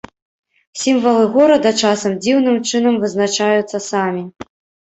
Сімвалы горада часам дзіўным чынам вызначаюцца самі.